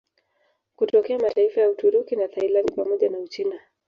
Kutokea mataifa ya Uturuki na Thailandi pamoja na Uchina